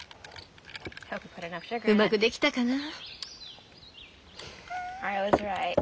うまくできたかな？